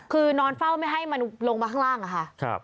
คือนอนเฝ้าไม่ให้มันลงมาข้างล่างอะค่ะ